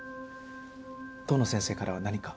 遠野先生からは何か？